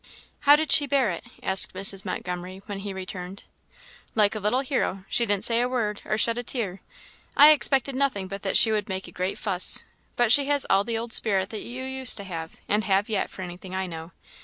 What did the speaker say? "How did she bear it?" asked Mrs. Montgomery, when he returned. "Like a little hero. She didn't say a word, or shed a tear. I expected nothing but that she would make a great fuss; but she has all the old spirit that you used to have and have yet, for any thing I know.